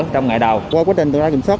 trong ngày đầu qua quá trình tự do kiểm soát